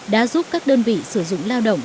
đã giúp các đơn vị sử dụng lao động